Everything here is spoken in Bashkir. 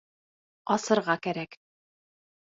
Асырға кәрәк.